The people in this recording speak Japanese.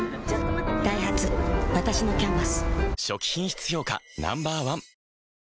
ダイハツわたしの「キャンバス」